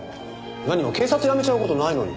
何も警察辞めちゃう事ないのに。